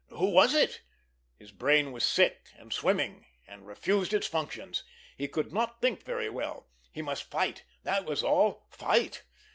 Who was it? His brain was sick and swimming, and refused its functions. He could not think very well. He must fight—that was all—fight!